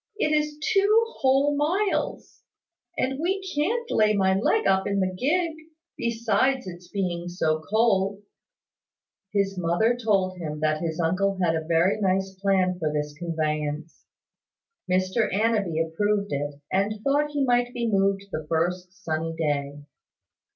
"It is two whole miles; and we can't lay my leg up in the gig: besides its being so cold." His mother told him that his uncle had a very nice plan for his conveyance. Mr Annanby approved of it, and thought he might be moved the first sunny day.